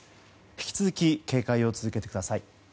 引き続き警戒を続けてください。